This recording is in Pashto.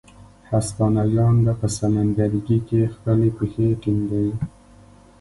هسپانویان به په سمندرګي کې خپلې پښې ټینګوي.